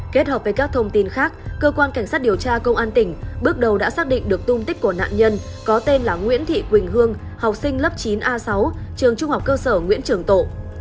kết hợp với các thông tin khác cơ quan cảnh sát điều tra công an tỉnh bước đầu đã xác định được tung tích của nạn nhân có tên là nguyễn thị quỳnh hương học sinh lớp chín a sáu trường trung học cơ sở nguyễn trường tộ